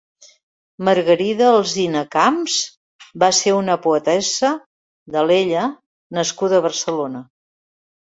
Margarida Alzina Camps va ser una poetessa d'Alella nascuda a Barcelona.